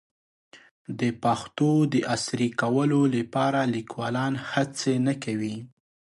د پښتو د عصري کولو لپاره لیکوالان هڅې نه کوي.